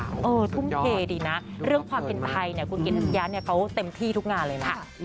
ข่าวสุดยอดดูแล้วเพลินมั้ยดูแล้วเพลินจริงนะคุณกินทัศน์เนี่ยเขาเต็มที่ทุกงานเลยนะ